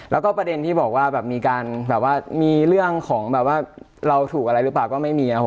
แล้วก็ประเด็นที่บอกว่ามีเรื่องของเราถูกอะไรหรือเปล่าก็ไม่มี